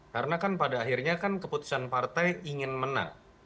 karena kan pada akhirnya kan keputusan partai ingin menang